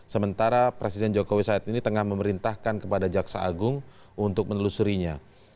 sementara presiden jokowi saat ini tengah memerintahkan kepada jaksa agung untuk menelusurinya